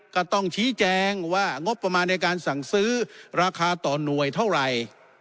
ก็ต้องชี้แจงว่างบประมาณในการสั่งซื้อราคาต่อหน่วยเท่าไหร่